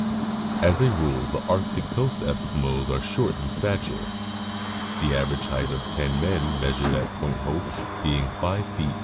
As a rule the Arctic coast Eskimos are short in stature, the average height of ten men measured at Point Hope being 5 feet 5.